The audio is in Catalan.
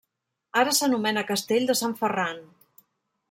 Ara s'anomena Castell de Sant Ferran.